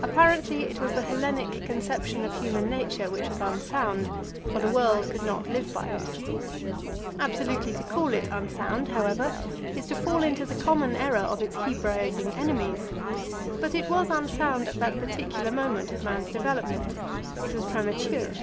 Apparently it was the Hellenic conception of human nature which was unsound, for the world could not live by it. Absolutely to call it unsound, however, is to fall into the common error of its Hebraising enemies; but it was unsound at that particular moment of man's development, it was premature.